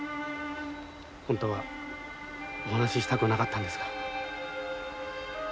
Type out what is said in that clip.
本当はお話ししたくなかったんですが。